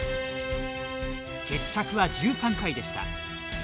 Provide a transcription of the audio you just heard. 決着は１３回でした。